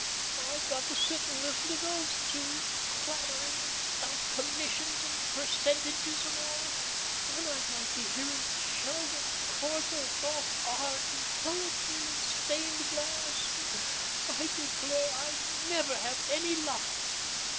I've got to sit and listen to those two, clattering commissions and percentages and all, when I might be hearing Sheldon Corthell talk art and poetry and stained glass. I declare, I never have any luck."